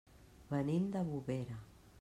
Venim de Bovera.